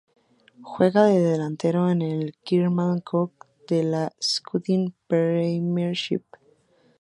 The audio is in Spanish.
Juega de delantero en el Kilmarnock de la Scottish Premiership.